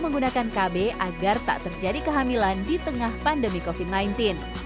menggunakan kb agar tak terjadi kehamilan di tengah pandemi covid sembilan belas